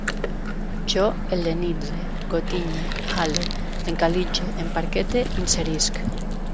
Jo hel·lenitze, gotinye, hale, encalitge, emparquete, inserisc